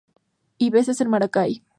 Y Veces En Maracay.